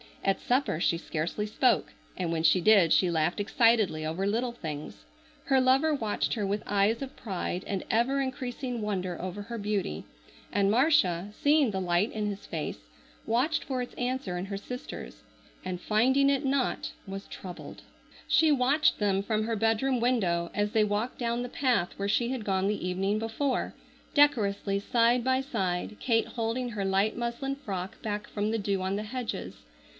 At supper she scarcely spoke, and when she did she laughed excitedly over little things. Her lover watched her with eyes of pride and ever increasing wonder over her beauty, and Marcia, seeing the light in his face, watched for its answer in her sister's, and finding it not was troubled. She watched them from her bedroom window as they walked down the path where she had gone the evening before, decorously side by side, Kate holding her light muslin frock back from the dew on the hedges.